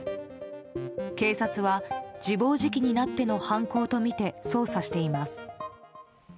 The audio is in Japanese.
警察は自暴自棄になっての犯行とみて捜査しています。